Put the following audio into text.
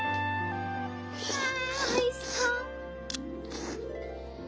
ああおいしそう！